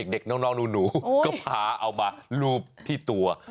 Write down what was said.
เด็กน้องหนูก็พาเอามารูปที่ตัว